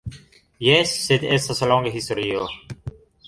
Jes, sed estas longa historio